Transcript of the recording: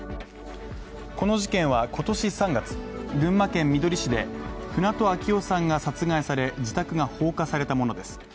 この事件は今年３月、群馬県みどり市で船戸秋雄さんが殺害され自宅が放火されたものです。